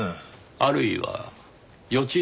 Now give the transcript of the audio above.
あるいは予知能力。